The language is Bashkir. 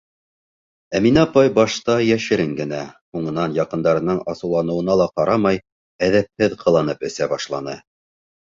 Әминә апай башта йәшерен генә, һуңынан яҡындарының асыуланыуына ла ҡарамай әҙәпһеҙ ҡыланып эсә башланы.